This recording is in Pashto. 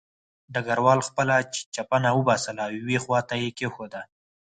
ډګروال خپله چپنه وباسله او یوې خوا ته یې کېښوده